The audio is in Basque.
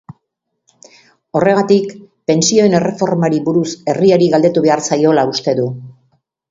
Horregatik, pentsioen erreformari buruz herriari galdetu behar zaiola uste du.